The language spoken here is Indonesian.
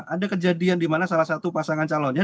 ada kejadian dimana salah satu pasangan calonnya